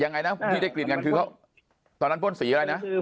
ยังไงนะที่ได้กลิ่นกันคือเขาตอนนั้นพ่นสีอะไรนะ